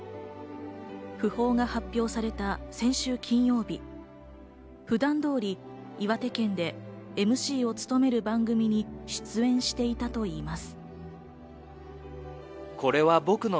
訃報が発表された先週金曜日、普段通り岩手県でＭＣを務める番組に出演していたといいます。